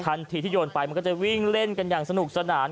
ทันทีที่โยนไปมันก็จะวิ่งเล่นกันอย่างสนุกสนาน